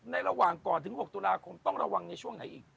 ระหว่างก่อนถึง๖ตุลาคมต้องระวังในช่วงไหนอีก